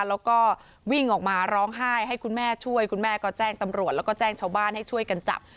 แล้วก็วิ่งออกมาร้องไห้ให้คุณแม่ช่วยคุณแม่ก็แจ้งตำรวจแล้วก็แจ้งชาวบ้านให้ช่วยกันจับ